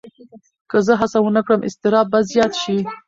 که زه هڅه ونه کړم، اضطراب به زیات شي.